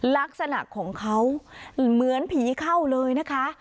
ลักษณะของเขาเหมือนผีเข้าเลยนะคะ